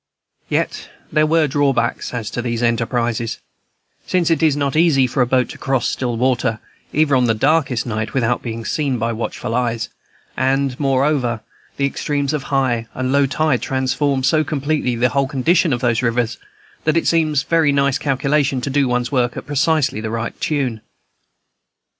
Yet there were drawbacks as to these enterprises, since it is not easy for a boat to cross still water, even on the darkest night, without being seen by watchful eyes; and, moreover, the extremes of high and low tide transform so completely the whole condition of those rivers that it needs very nice calculation to do one's work at precisely the right tune.